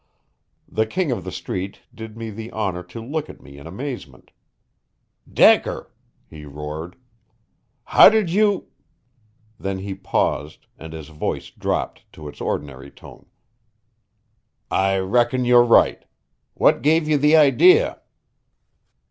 The King of the Street did me the honor to look at me in amazement. "Decker!" he roared. "How did you " Then he paused and his voice dropped to its ordinary tone. "I reckon you're right. What gave you the idea?"